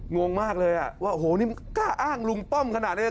งงมากเลยว่าโอ้โหนี่กล้าอ้างลุงป้อมขนาดนี้